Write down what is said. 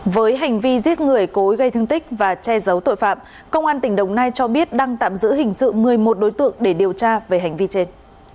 với hành vi giết người cố gây thương tích và che giấu tội phạm công an tỉnh đồng nai cho biết đang tạm giữ hình sự một mươi một đối tượng để điều tra về hành vi trên